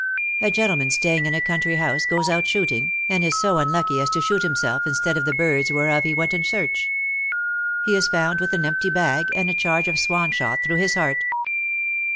A gentleman staying in a country house goes out shooting, and is so unlucky as to shoot himself instead of the birds whereof he went in search. He is found with an empty bag, and a charge of swan shot through his heart.